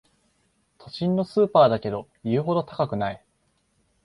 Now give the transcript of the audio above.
都心のスーパーだけど言うほど高くない